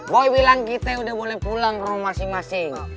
boy bilang kita udah boleh pulang ke rumah masing masing